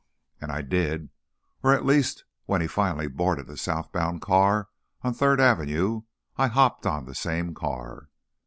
And I did, or, at least, when he finally boarded a Southbound car on Third Avenue, I hopped on the same car.